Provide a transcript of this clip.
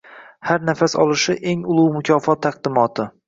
Har nafas olishi eng ulug’ mukofot taqdimoti